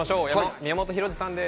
宮本浩次さんです。